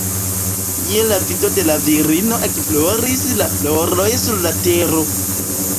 Je la vido de la virino ekfloris la floroj sur la tero